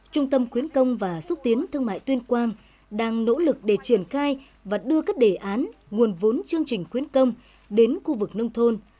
trung tâm khuyến công và xúc tiến thương mại tuyên quang đang nỗ lực để triển khai và đưa các đề án nguồn vốn chương trình khuyến công đến khu vực nông thôn